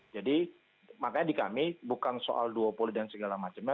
jadi makanya di kami bukan soal duopoly dan segala macamnya